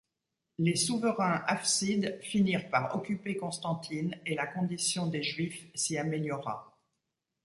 Les souverains Hafsides finirent par occuper Constantine et la condition des juifs s'y améliora.